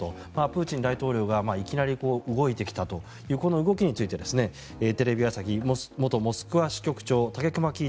プーチン大統領がいきなり動いてきたというこの動きについてテレビ朝日元モスクワ支局長武隈喜